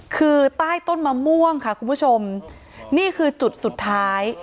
คือใต้ต้นมะม่วงค่ะคุณผู้ชมนี่คือจุดสุดท้าย